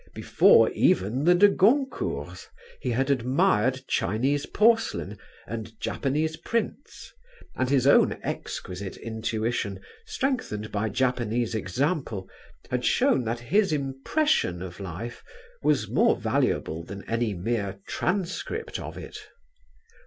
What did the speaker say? Before even the de Goncourts he had admired Chinese porcelain and Japanese prints and his own exquisite intuition strengthened by Japanese example had shown that his impression of life was more valuable than any mere transcript of it.